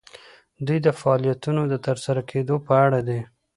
دوی د فعالیتونو د ترسره کیدو په اړه دي.